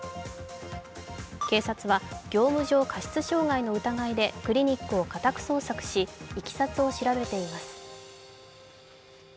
警察は業務上過失傷害の疑いでクリニックを家宅捜索しいきさつを調べています。